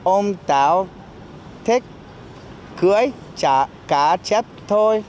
ông táo thích cưới cá chết thôi